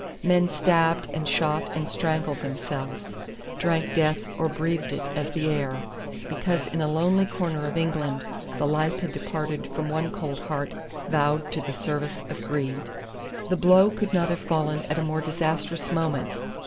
Men stabbed and shot and strangled themselves, drank death or breathed it as the air, because in a lonely corner of England the life had departed from one cold heart vowed to the service of greed. The blow could not have fallen at a more disastrous moment.